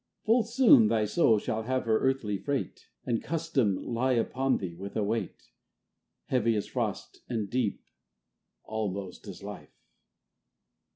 Full soon thy Soul shall have her earthly freight, And custom lie upon thee with a weight, Heavy as frost, and deep almost as life